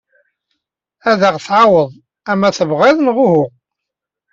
Ad aɣ-tɛaweḍ, ama tebɣiḍ neɣ uhu.